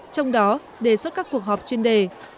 trong đó đề xuất các cuộc họp chuyên đề